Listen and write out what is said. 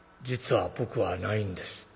『実は僕はないんです』」。